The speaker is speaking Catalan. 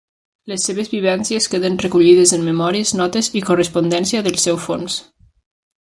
Les seves vivències queden recollides en memòries, notes i correspondència del seu fons.